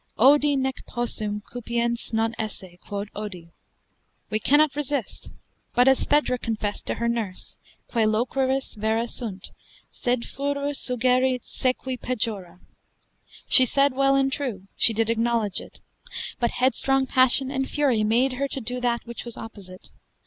Odi, nec possum, cupiens non esse, quod odi. We cannot resist, but as Phaedra confessed to her nurse, quae loqueris, vera sunt, sed furor suggerit sequi pejora: she said well and true, she did acknowledge it, but headstrong passion and fury made her to do that which was opposite.